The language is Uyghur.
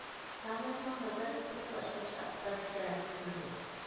تاموژنىنىڭ نازارەت قىلىپ باشقۇرۇشى ئاستىدا تىجارەت قىلىنىدۇ.